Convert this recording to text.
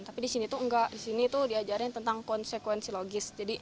tapi di sini itu enggak di sini diajarin tentang konsekuensi logis